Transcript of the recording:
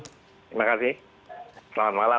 terima kasih selamat malam